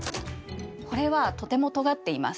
これはとてもとがっています。